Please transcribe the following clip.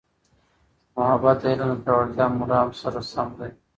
محبت د علم د پیاوړتیا مرام سره سم دی.